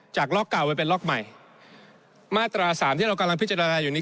จากล็อกเก่าไปเป็นล็อกใหม่มาตราสามที่เรากำลังพิจารณาอยู่นี้